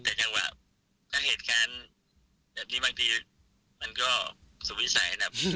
แต่จังหวะถ้าเหตุการณ์แบบนี้บางทีมันก็สุวิสัยนะ